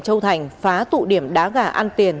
châu thành phá tụ điểm đá gà ăn tiền